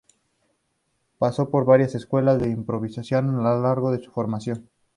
Pasó por varias escuelas de improvisación a lo largo de su formación.